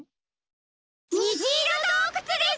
にじいろどうくつです！